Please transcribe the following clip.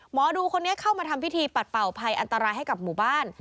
หมอดูคนนี้เข้ามาทำพิธีปัดเป่าภัยอันตรายให้กับหมู่บ้าน